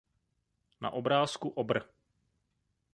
Na obrázku Obr.